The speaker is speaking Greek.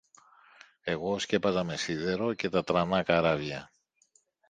εγώ σκέπαζα με σίδερο και τα τρανά καράβια